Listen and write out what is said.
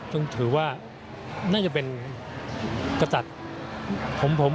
จึงถือว่าน่าจะเป็นกษัตริย์